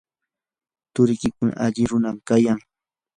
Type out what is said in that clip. turiikuna alli runam kayan.